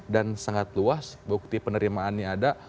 dan sangat luas bukti penerimaannya ada